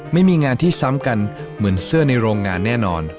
ไม่มีงานที่ซ้ำกันเหมือนเสื้อในโรงงานแน่นอน